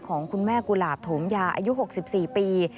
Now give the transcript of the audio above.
ของคุณแม่กุหลาบโถมยาอายุ๖๔ปี